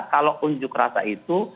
kalau unjuk rasa itu